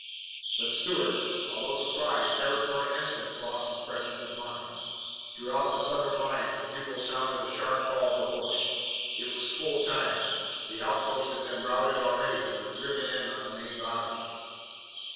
But Stuart, although surprised, never for an instant lost his presence of mind. Throughout the Southern lines the bugles sounded the sharp call to horse. It was full time. The outposts had been routed already and were driven in on the main body.